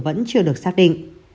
vẫn chưa được xác định